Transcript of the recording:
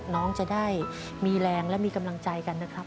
น้องจะได้มีแรงและมีกำลังใจกันนะครับ